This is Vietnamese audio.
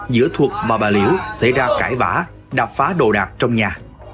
giữa thuộc và bà liễu xảy ra cãi vã đạp phá đồ đạp trong nhà